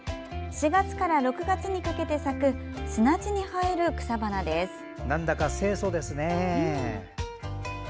４月から６月にかけて咲く砂地に生える草花です。